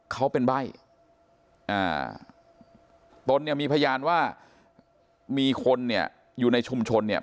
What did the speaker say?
เขาเป็นใบ้อ่าตนเนี่ยมีพยานว่ามีคนเนี่ยอยู่ในชุมชนเนี่ย